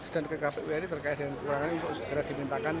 dan ke kpu ri